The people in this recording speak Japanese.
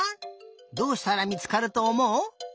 どうしたらみつかるとおもう？